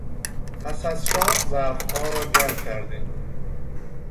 پس از شام ظرفها را جمع کردیم.